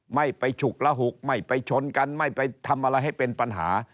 ไม่ไปฉุกระหุกไม่ไปชนกันไม่ไปทำอะไรให้เป็นปัญหา